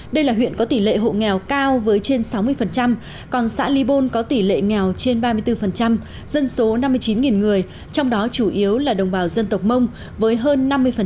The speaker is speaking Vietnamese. đây là huyện có tỷ lệ hộ nghèo cao với trên sáu mươi còn xã ly bôn có tỷ lệ nghèo trên ba mươi bốn dân số năm mươi chín người trong đó chủ yếu là đồng bào dân tộc mông với hơn năm mươi